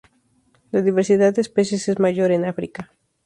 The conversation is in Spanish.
La diversidad de especies es mayor en África.